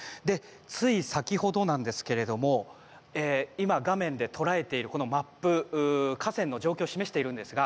つい先ほどなんですが今、画面で捉えているマップは河川の状況を示しているんですが